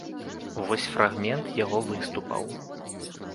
Вось фрагмент яго выступаў.